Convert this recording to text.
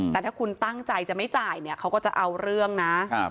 แต่ถ้าคุณตั้งใจจะไม่จ่ายเนี่ยเขาก็จะเอาเรื่องนะ